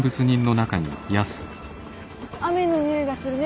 雨の匂いがするね。